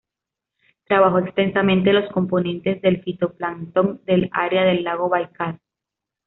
Trabajó extensamente en los componentes del fitoplancton del área del lago Baikal.